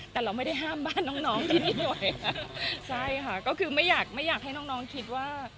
แต่เราไม่ได้ห้ามบ้านน้องที่นี่เลยค่ะก็คือไม่อยากที่น้องคิดว่า